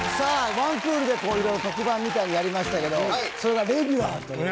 １クールでいろいろ特番みたいにやりましたけどそれがレギュラーということで。